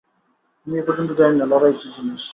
আমি এ পর্যন্ত জানি না, লড়াই কী জিনিস?